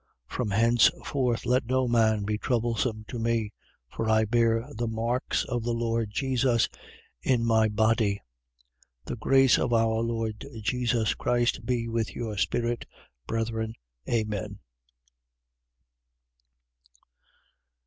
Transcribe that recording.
6:17. From henceforth let no man be troublesome to me: for I bear the marks of the Lord Jesus in my body. 6:18. The grace of our Lord Jesus Christ be with your spirit, brethren. Amen.